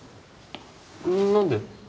何で？